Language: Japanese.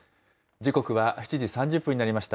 時刻は７時３０分になりました。